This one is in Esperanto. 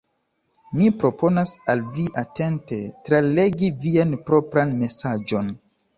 Mi proponas al vi atente tralegi vian propran mesaĝon.